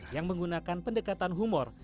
yang menggunakan pendekatan humor